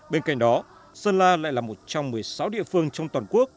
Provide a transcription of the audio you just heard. bên cạnh đó sơn la lại là một trong một mươi sáu địa phương trong toàn quốc